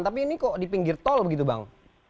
tapi ini kok di pinggir tol begitu bang